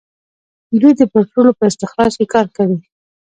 دوی د پټرولو په استخراج کې کار کوي.